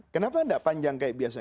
kenapa tidak panjang seperti biasanya